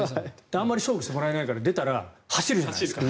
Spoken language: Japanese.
あまり勝負してもらえないから出たら走るじゃないですか。